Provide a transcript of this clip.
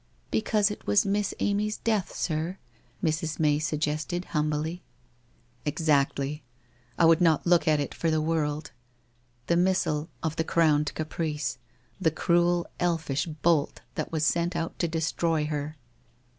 ' Because it was Miss Amy's death, sir ?' Mrs. May suggested, humbly. ' Exactly. I would not look at it for the world. The missile of the Crowned Caprice, the cruel elfish bolt that was sent out to destroy her